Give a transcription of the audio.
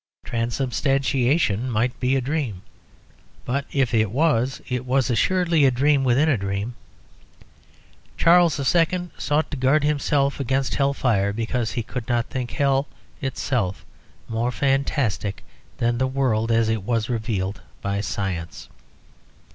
Transubstantiation might be a dream, but if it was, it was assuredly a dream within a dream. Charles II. sought to guard himself against hell fire because he could not think hell itself more fantastic than the world as it was revealed by science.